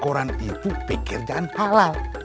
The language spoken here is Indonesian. koran koran itu pekerjaan halal